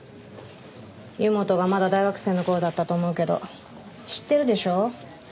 湯本がまだ大学生の頃だったと思うけど知ってるでしょ？